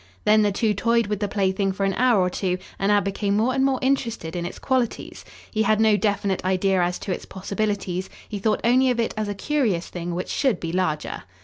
Then the two toyed with the plaything for an hour or two and Ab became more and more interested in its qualities. He had no definite idea as to its possibilities. He thought only of it as a curious thing which should be larger.